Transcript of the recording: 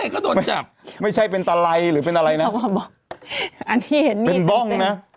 เขาโดนจับไม่ใช่เป็นตาไล่หรือเป็นอะไรน่ะอันนี้เห็นเป็นบ้องน่ะ